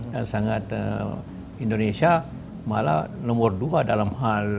dan sangat indonesia malah nomor dua dalam hal ini